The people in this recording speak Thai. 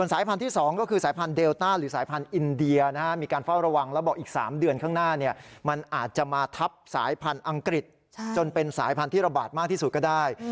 สายพันธุ์ที่๒ก็คือสายพันธุเดลต้าหรือสายพันธุ์อินเดียมีการเฝ้าระวังแล้วบอกอีก๓เดือนข้างหน้ามันอาจจะมาทับสายพันธุ์อังกฤษจนเป็นสายพันธุ์ระบาดมากที่สุดก็ได้